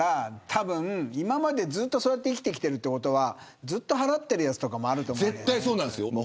たぶん今まで、ずっとそうやって生きてきてるっていうことはずっと払ってるやつとかもあると思うんだよね。